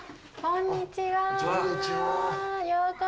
こんにちは。